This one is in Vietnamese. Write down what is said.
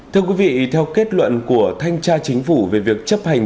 thưa quý vị theo kết luận của thanh tra chính phủ về việc chấp hành